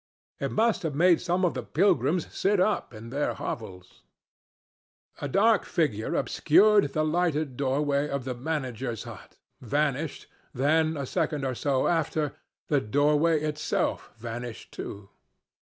It must have made some of the pilgrims sit up in their hovels. A dark figure obscured the lighted doorway of the manager's hut, vanished, then, a second or so after, the doorway itself vanished too.